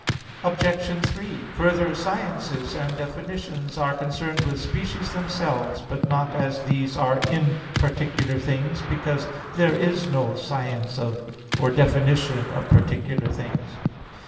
Obj. 3: Further, sciences and definitions are concerned with species themselves, but not as these are in particular things, because there is no science or definition of particular things.